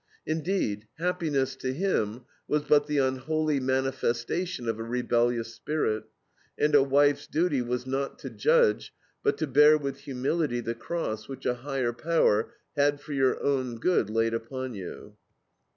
Indeed, happiness to him was but the unholy manifestation of a rebellious spirit, and a wife's duty was not to judge, but "to bear with humility the cross which a higher power had for your own good laid upon you."